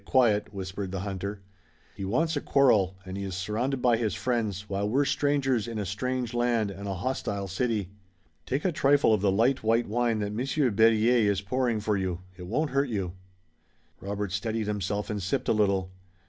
Quiet!" whispered the hunter. "He wants a quarrel, and he is surrounded by his friends, while we're strangers in a strange land and a hostile city. Take a trifle of the light white wine that Monsieur Berryer is pouring for you. It won't hurt you." Robert steadied himself and sipped a little.